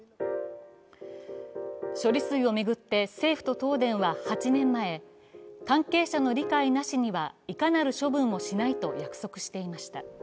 処理水を巡って政府と東電は８年前、関係者の理解なしにはいかなる処分もしないと約束していました。